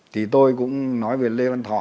thì tôi cũng nói về lê văn thọ